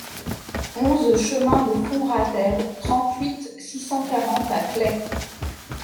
onze chemin de Fond Ratel, trente-huit, six cent quarante à Claix